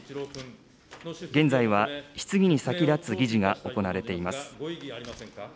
現在は、質疑に先立つ議事が行われています。